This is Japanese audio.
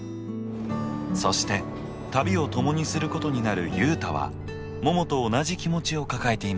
そして旅を共にすることになる雄太はももと同じ気持ちを抱えていました。